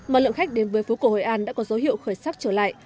mà lượng khách đến với phố cổ hội an đã có dấu hiệu khởi sắc trở lại